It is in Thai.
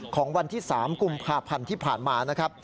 ของวันที่๓กุมภาพพันธ์ที่ผ่านมา